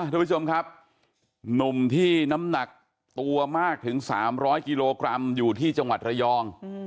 ทุกผู้ชมครับหนุ่มที่น้ำหนักตัวมากถึง๓๐๐กิโลกรัมอยู่ที่จังหวัดระยอง